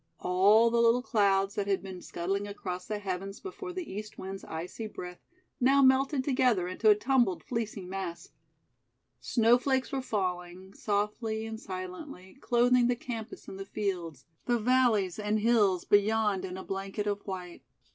All the little clouds that had been scuttling across the heavens before the East wind's icy breath, now melted together into a tumbled, fleecy mass. Snowflakes were falling, softly and silently, clothing the campus and fields, the valleys and hills beyond in a blanket of white.